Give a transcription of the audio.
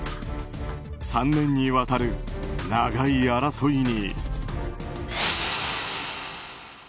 ３年にわたる、長い争いに。